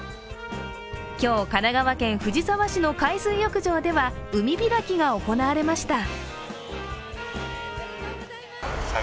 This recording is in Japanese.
今日、神奈川県藤沢市の海水浴場では海開きが行われました。